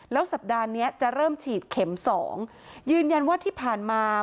แล้วสัปดาห์นี้จะเริ่มฉีดเข็มสองยืนยันว่าที่ผ่านมา